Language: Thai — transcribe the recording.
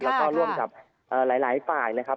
แล้วก็ร่วมกับหลายฝ่ายนะครับ